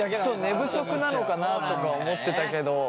寝不足なのかなとか思ってたけど。